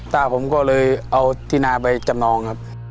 ป้าผมก็เลยเอาที่นาไปจำนองครับ